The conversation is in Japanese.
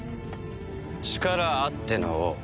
力あっての王。